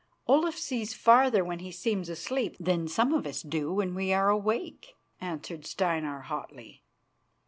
"Olaf sees farther when he seems asleep than some of us do when we are awake," answered Steinar hotly.